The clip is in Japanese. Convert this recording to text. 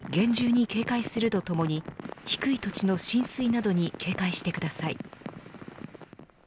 土砂災害に厳重に警戒するとともに低い土地の浸水などに警戒してください。